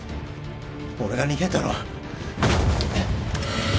俺が逃げたのは。